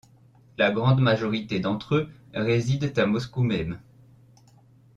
La grande majorité d'entre eux résident à Moscou même.